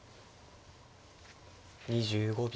２５秒。